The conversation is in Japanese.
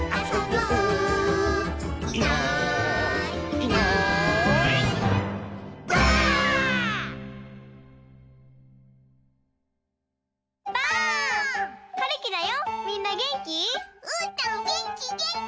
うーたんげんきげんき！